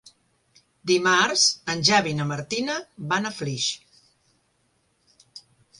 Dimarts en Xavi i na Martina van a Flix.